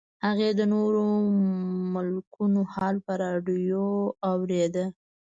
هغې د نورو ملکونو حال په راډیو اورېده